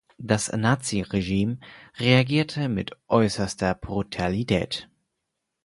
Das Naziregime reagierte mit äußerster Brutalität.